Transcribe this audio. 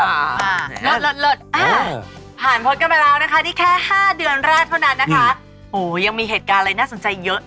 หลดผ่านพบกันไปแล้วนะคะนี่แค่๕เดือนแรกเท่านั้นนะคะโอ้ยยังมีเหตุการณ์เลยน่าสนใจเยอะ